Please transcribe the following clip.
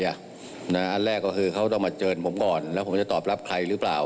อันแรกก็คือเขาต้องมาเจอผมก่อนแล้วผมจะตอบรับใครหรือเปล่า